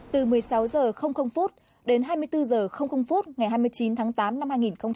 từ một mươi sáu h đến hai mươi bốn h ngày hai mươi chín tháng tám năm hai nghìn hai mươi